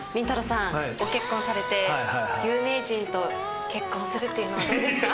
さんご結婚されて有名人と結婚するっていうのはどうですか？